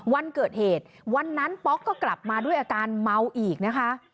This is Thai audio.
วันเกิดเหตุวันนั้นป๊อกก็กลับมาด้วยอาการเมาอีกนะคะ